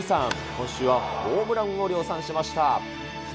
今週はホームランを量産しました。